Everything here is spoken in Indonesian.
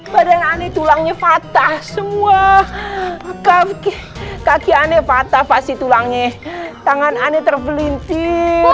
badan ani tulangnya patah semua kaki aneh patah pasti tulangi tangan aneh terpelintir